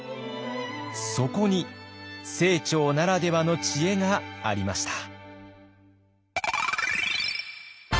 そこに清張ならではの知恵がありました。